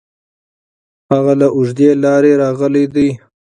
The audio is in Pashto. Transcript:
هغه له اوږدې لارې راغلی دی.